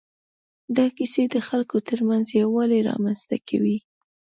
دا کیسې د خلکو تر منځ یووالی رامنځ ته کوي.